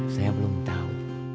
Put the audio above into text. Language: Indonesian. saya belum tahu